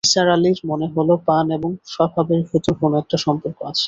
নিসার আলির মনে হলো, পান এবং স্বভাবের ভেতর কোনো একটা সম্পর্ক আছে।